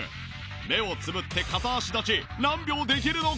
目をつむって片足立ち何秒できるのか？